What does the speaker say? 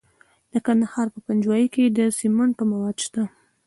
د کندهار په پنجوايي کې د سمنټو مواد شته.